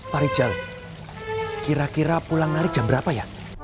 pak rizal kira kira pulang narik jam berapa ya